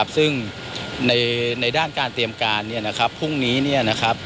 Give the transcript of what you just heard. ซึ่งในด้านการเตรียมการพรุ่งนี้